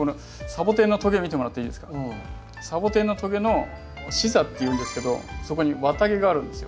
サボテンのトゲの刺座っていうんですけどそこに綿毛があるんですよ。